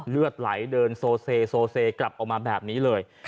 เลือดไหลเดินโซเซกลับออกมาแบบนี้เลย